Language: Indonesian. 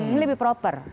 ini lebih proper